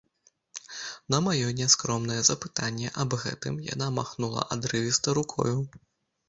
На маё няскромнае запытанне аб гэтым яна махнула адрывіста рукою.